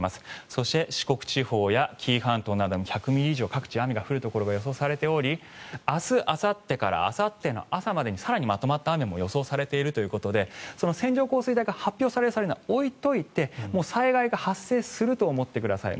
そして四国地方や紀伊半島など各地１００ミリ以上雨が降ることが予想されており明日朝からあさっての朝までに更にまとまった雨も予想されているということで線状降水帯が発表されるのは置いておいてもう災害が発生すると思ってください。